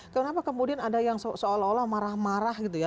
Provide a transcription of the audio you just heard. kenapa kemudian ada yang seolah olah marah marah gitu ya